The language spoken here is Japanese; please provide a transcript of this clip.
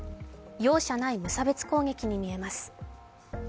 容赦ない無差別攻撃に見えます。